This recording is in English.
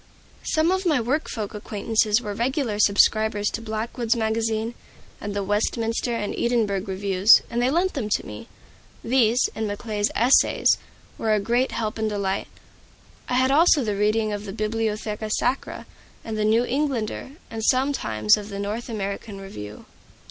Some of my work folk acquaintances were regular subscribers to "Blackwood's Magazine" and the "Westminster" and "Edinburgh" reviews, and they lent them to me. These, and Macaulay's "Essays," were a great help and delight. I had also the reading of the "Bibliotheca Sacra" and the "New Englander;" and sometimes of the "North American Review."